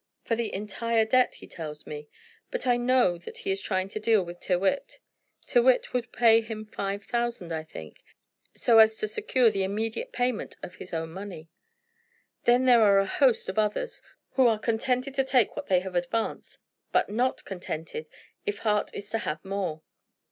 "For the entire debt, he tells me; but I know that he is trying to deal with Tyrrwhit. Tyrrwhit would pay him five thousand, I think, so as to secure the immediate payment of his own money. Then there are a host of others who are contented to take what they have advanced, but not contented if Hart was to have more.